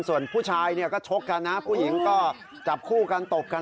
ส่วนผู้ชายเนี่ยก็ชกกันนะผู้หญิงก็จับคู่กันตบกัน